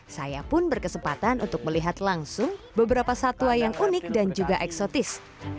saya pun berkesempatan untuk melihat langsung beberapa satwa yang unik dan juga eksotis